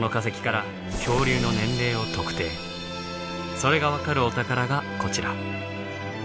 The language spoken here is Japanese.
それが分かるお宝がこちら。